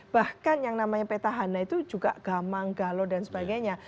bahkan yang namanya petahana itu juga gamang galau dan sebagainya